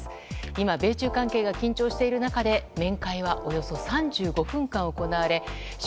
今、米中関係が緊張している中で面会はおよそ３５分間行われ習